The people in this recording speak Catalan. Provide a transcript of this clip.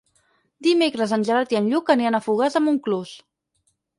Dimecres en Gerard i en Lluc aniran a Fogars de Montclús.